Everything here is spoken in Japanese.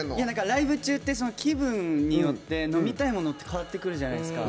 ライブ中って気分によって飲みたいものって変わってくるじゃないですか。